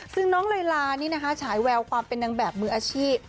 ซึ่งน้องไลล่าถ้ายเเววความเป็นนางแบบมืออาชีพ